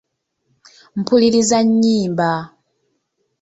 Mpuliriza nnyimba.